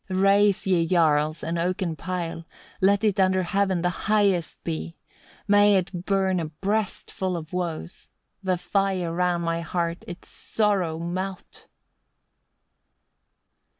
20. "Raise, ye Jarls! an oaken pile; let it under heaven the highest be. May it burn a breast full of woes! the fire round my heart its sorrows melt!"